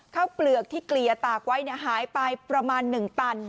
เปลือกที่เกลี่ยตากไว้หายไปประมาณ๑ตัน